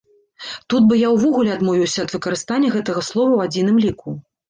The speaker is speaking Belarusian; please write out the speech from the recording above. Тут бы я ўвогуле адмовіўся ад выкарыстання гэтага слова ў адзіным ліку.